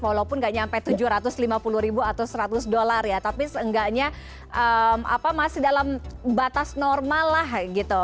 walaupun nggak sampai tujuh ratus lima puluh ribu atau seratus dolar ya tapi seenggaknya masih dalam batas normal lah gitu